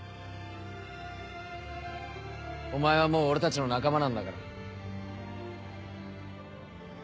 お前はもう俺たちの仲間なんだから。